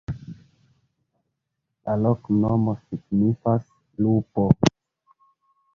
La loknomo signifas: lupo.